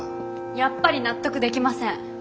やっぱり納得できません。